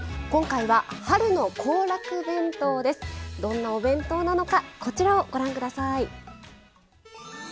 今回は「春の行楽弁当」です。どんなお弁当なのかこちらをご覧下さい。